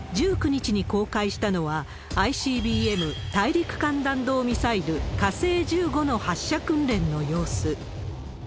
１９日に公開したのは、ＩＣＢＭ・大陸間弾道ミサイル、火星１５の発射訓練の様子。